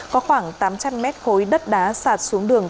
có khoảng tám trăm linh mét khối đất đá sạt xuống đường